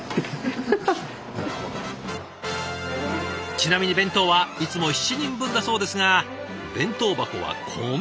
ちなみに弁当はいつも７人分だそうですが弁当箱はこんなに。